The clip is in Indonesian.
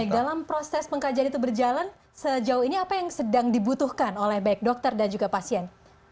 baik dalam proses pengkajian itu berjalan sejauh ini apa yang sedang dibutuhkan oleh baik dokter dan juga pasien